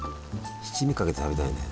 七味かけて食べたいね。